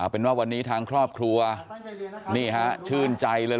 เป็นว่าวันนี้ทางครอบครัวนี่ฮะชื่นใจเลย